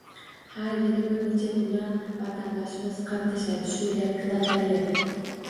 Har yili bir necha million vatandoshimiz qatnashadi shu lotoreyada.